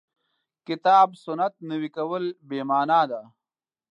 کتاب سنت نوي کول بې معنا ده.